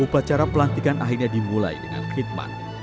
upacara pelantikan akhirnya dimulai dengan khidmat